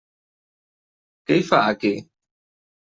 Què hi fa aquí?